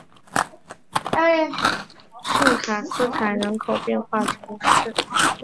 圣卡斯坦人口变化图示